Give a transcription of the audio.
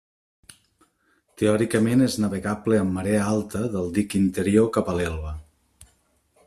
Teòricament és navegable amb marea alta del dic interior cap a l'Elba.